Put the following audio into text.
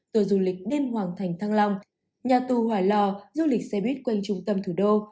tour du lịch đêm hoàng thành thăng long nhà tù hỏa lò du lịch xe buýt quanh trung tâm thủ đô